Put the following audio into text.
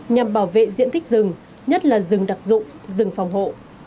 nhằm bảo vệ diện tích rừng nhất là rừng đặc dụng rừng phòng hộ